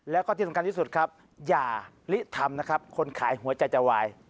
แล้วก็ที่สำคัญที่สุดครับอย่าลิทำนะครับคนขายหัวใจจะวาย